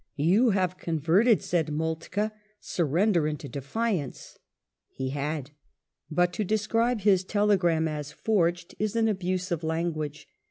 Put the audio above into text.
"You have converted," said Moltke, "surrender into defiance." He had ; but to describe his telegram as " forged," is an abuse of language.